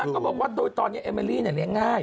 ก็บอกว่าตอนนี้เอมิลลีน่ะเลี้ยงง่าย